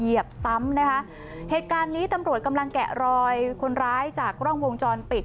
เหยียบซ้ำนะคะเหตุการณ์นี้ตำรวจกำลังแกะรอยคนร้ายจากกล้องวงจรปิด